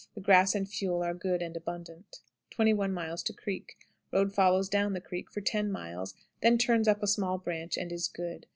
The grass and fuel are good and abundant. 21. Creek. Road follows down the creek for ten miles, then turns up a small branch, and is good.